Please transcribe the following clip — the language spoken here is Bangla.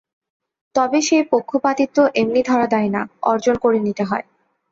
তবে সেই পক্ষপাতিত্ব এমনি ধরা দেয় না, অর্জন করে নিতে হয়।